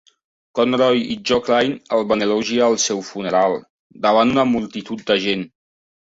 Conroy i Joe Klein el van elogiar al seu funeral, davant una multitud de gent.